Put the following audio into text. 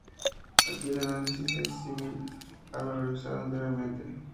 Aquí el análisis es símil a lo revisado anteriormente.